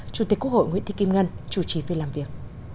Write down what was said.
chủ tịch quốc hội nguyễn thị kim ngân chủ trì phiên làm việc